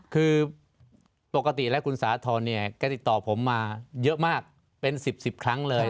คือปกติแล้วคุณสาธรณ์เนี่ยก็ติดต่อผมมาเยอะมากเป็น๑๐๑๐ครั้งเลย